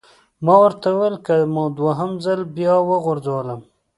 ما ورته وویل: که مو دوهم ځلي بیا وغورځولم!